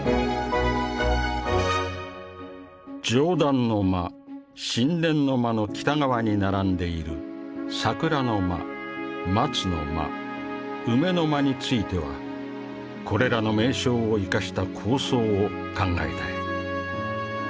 「上段の間宸殿の間の北側に並んでいる桜の間松の間梅の間についてはこれらの名称を生かした構想を考えたい」。